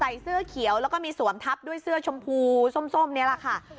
เสื้อเขียวแล้วก็มีสวมทับด้วยเสื้อชมพูส้มนี่แหละค่ะ